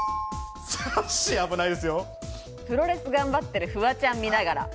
プロレス頑張ってるフワちゃん見ながら。